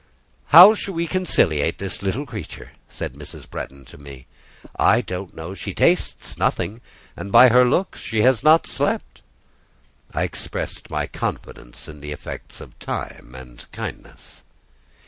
"How we shall conciliate this little creature," said Mrs. Bretton to me, "I don't know: she tastes nothing, and by her looks, she has not slept." I expressed my confidence in the effects of time and kindness.